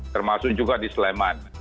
termasuk juga di sleman